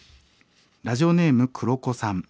ラジオネーム黒子さん。